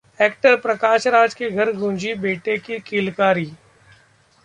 actor Prakash Raj के घर गूंजी बेटे की किलकारी